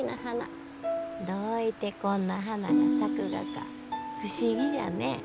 どういてこんな花が咲くがか不思議じゃね。